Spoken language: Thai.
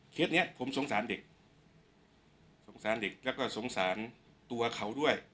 เนี้ยผมสงสารเด็กสงสารเด็กแล้วก็สงสารตัวเขาด้วย